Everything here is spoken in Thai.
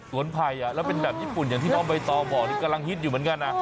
ไผ่แล้วเป็นแบบญี่ปุ่นอย่างที่น้องใบตองบอกนี่กำลังฮิตอยู่เหมือนกันนะ